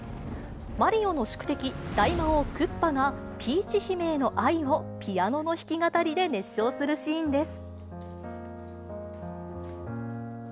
マリオの宿敵、大魔王クッパが、ピーチ姫への愛をピアノの弾き語りで熱唱するシーンです。